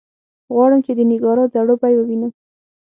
غواړم چې د نېګارا ځړوبی ووینم.